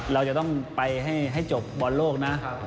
เราจะต้องไปให้จบบอลโลกนะ